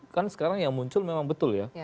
kan sekarang yang muncul memang betul ya